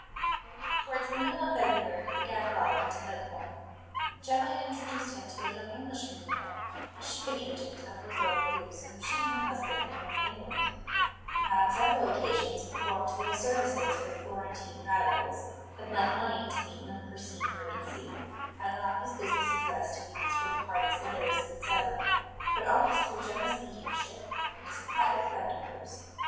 TOWARDS the middle of February the Gadfly went to Leghorn. Gemma had introduced him to a young Englishman there, a shipping agent of liberal views, whom she and her husband had known in England. He had on several occasions performed little services for the Florentine radicals: had lent money to meet an unforeseen emergency, had allowed his business address to be used for the party's letters, etc.; but always through Gemma's mediumship, and as a private friend of hers.